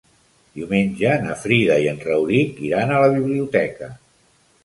Diumenge na Frida i en Rauric iran a la biblioteca.